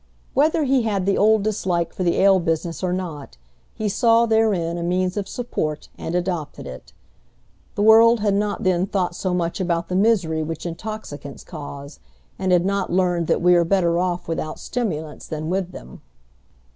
Whether he had the old dislike for the ale business or not, he saw therein a means of support, and adopted it. The world had not then thought so much about the misery which intoxicants cause, and had not learned that we are better off without stimulants than with them.